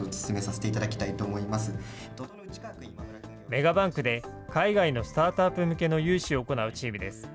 メガバンクで海外のスタートアップ向けの融資を行うチームです。